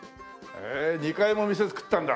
へえ２階も店作ったんだ。